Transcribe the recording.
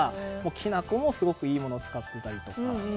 きな粉もすごい、いいものを使っていたりとか。